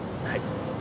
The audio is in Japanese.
はい。